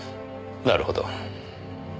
なるほど。